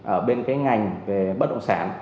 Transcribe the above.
ở bên ngành về bất động sản